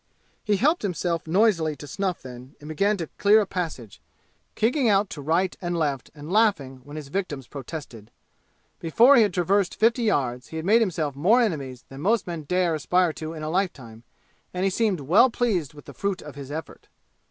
He helped himself noisily to snuff then and began to clear a passage, kicking out to right and left and laughing when his victims protested. Before he had traversed fifty yards he had made himself more enemies than most men dare aspire to in a lifetime, and he seemed well pleased with the fruit of his effort.